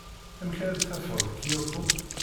Amek ara d-tafeḍ Kyoto?